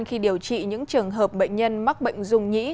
khi điều trị những trường hợp bệnh nhân mắc bệnh rung nhĩ